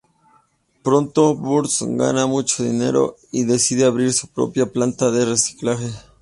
Pronto, Burns gana mucho dinero y decide abrir su propia planta de reciclaje.